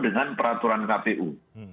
dengan peraturan kpu